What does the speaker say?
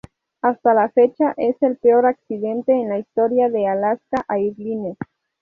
Hasta la fecha es el peor accidente en la historia de Alaska Airlines.